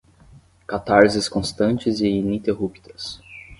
Catarses constantes e ininterruptas